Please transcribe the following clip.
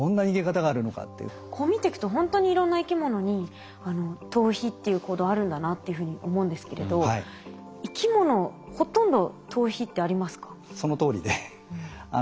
こう見ていくとほんとにいろんな生き物に逃避っていう行動あるんだなっていうふうに思うんですけれど生き物ほとんど逃避ってありますか？